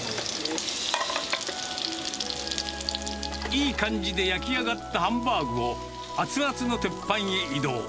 いい感じで焼き上がったハンバーグを、熱々の鉄板へ移動。